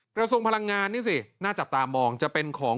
กระทรวงพลังงานนี่สิน่าจับตามองจะเป็นของ